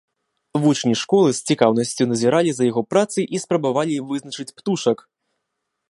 Вучні школы з цікаўнасцю назіралі за яго працай і спрабавалі вызначыць птушак.